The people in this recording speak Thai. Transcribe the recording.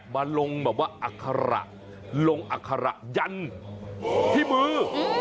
มาลงแบบว่าอัคระลงอัคระยันที่มือ